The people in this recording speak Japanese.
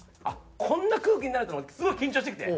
こんな空気になるとすごい緊張してきて。